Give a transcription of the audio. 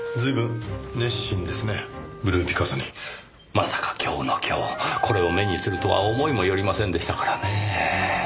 まさか今日の今日これを目にするとは思いもよりませんでしたからねぇ。